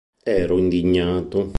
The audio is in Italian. Ero indignato.